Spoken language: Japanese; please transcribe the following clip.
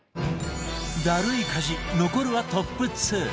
ダルい家事残るはトップ２